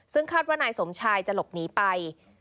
ซึ่งคาดว่านายสมชายจะหลบหนีไป